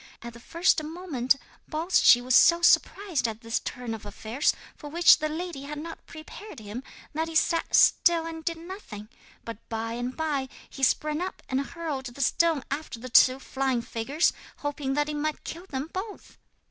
At the first moment Baldschi was so surprised at this turn of affairs, for which the lady had not prepared him, that he sat still and did nothing. But by and by he sprang up and hurled the stone after the two flying figures, hoping that it might kill them both.